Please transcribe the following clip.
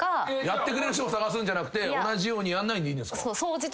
やってくれる人を探すんじゃなくて同じようにやんないでいいんですか？